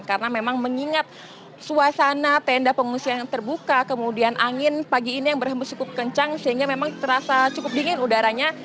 karena memang mengingat suasana tenda pengungsian yang terbuka kemudian angin pagi ini yang berhembus cukup kencang sehingga memang terasa cukup dingin udaranya